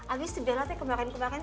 abis si bella teh kemarin kemarin